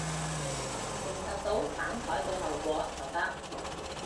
承受到反枱嘅後果就得